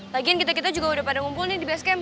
lagian kita kita juga udah pada ngumpul nih di base camp